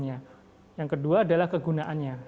yang kedua adalah kegunaannya